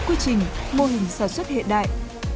quy trình mô hình sản xuất hệ đại